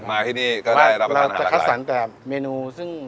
มาที่นี่ก็ได้รับประทานอาหารหลากหลายเราจะคัดสรรค์แต่เมนูซึ่ง